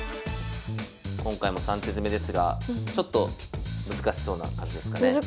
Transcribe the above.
今回も３手詰ですがちょっと難しそうな感じですかね。